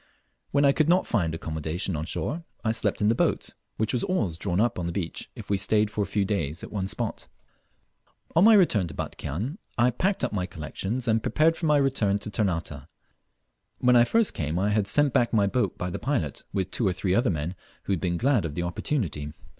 When I could not find accommodation on shore I slept in the boat, which was always drawn up on the beach if we stayed for a few days at one spot. On my return to Batchian I packed up my collections, and prepared for my return to Ternate. When I first came I had sent back my boat by the pilot, with two or three other men who had been glad of the opportunity.